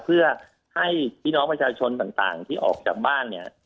เพื่อให้พี่น้องประชาชนต่างที่ออกจากบ้านเนี่ย